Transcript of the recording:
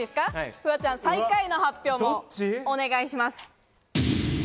フワちゃん、最下位の発表もお願いします。